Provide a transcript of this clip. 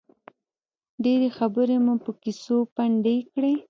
ډېرې خبرې مو په کیسو پنډې کړې.